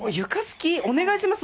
お願いします！